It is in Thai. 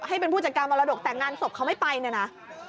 ให้เป็นผู้จัดการมรดกแต่งานศพเขาไม่ไปเนี่ยนะ